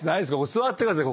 座ってください